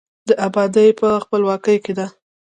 د آبادي په، خپلواکۍ کې ده.